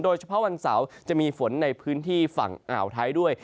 วันเสาร์จะมีฝนในพื้นที่ฝั่งอ่าวไทยด้วย